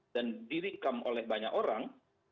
dan direkam oleh banyak orang